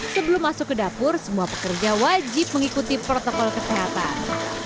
sebelum masuk ke dapur semua pekerja wajib mengikuti protokol kesehatan